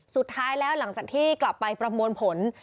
สุดท้ายแล้วหลังจากที่กลับไปประมวลผล